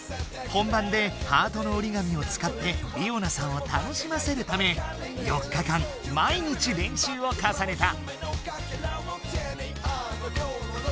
本番でハートの折り紙をつかってりおなさんを楽しませるため４日間毎日れんしゅうをかさねた！